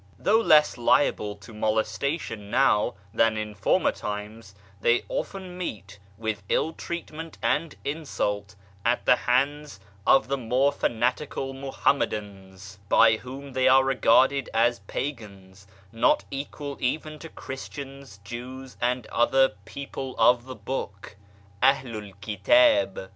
Though less liable to molestation now than in former times, they often meet with ill treatment and insult at the hands of the more fanatical Muhammadans, by whom they are regarded as pagans, not equal even to Christians, Jews, and other " people of the book " (aJilu 'l Jcitdh).